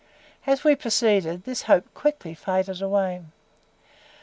As we proceeded, this hope quickly faded away.